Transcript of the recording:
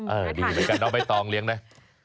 อ่าเดี๋ยวกันน้องใบตองเลี้ยงได้